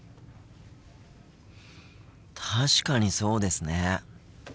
確かにそうですね。